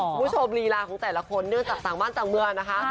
ลีลาของแต่ละคนเนื่องจากต่างบ้านต่างเมืองนะคะ